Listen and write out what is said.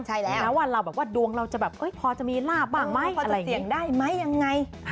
ใช่แล้วว่าเราแบบว่าดวงเราจะแบบพอจะมีลาบบ้างไหมพอจะเสี่ยงได้ไหมยังไง